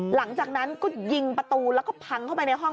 หลังจากนั้นก็ยิงประตูแล้วก็พังเข้าไปในห้อง